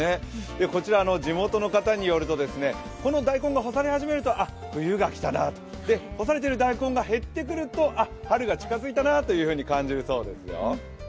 こちら、地元の方によるとこの大根が干され始めるとあっ、冬が来たな、干されている大根が減ってくるとはるが近づいたなと感じるんだそうですよ。